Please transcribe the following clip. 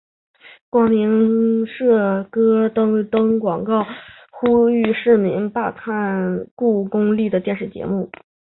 明光社曾刊登广告呼吁市民罢买罢看罔顾公众利益的报纸及电视节目。